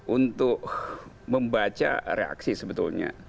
untuk membaca reaksi sebetulnya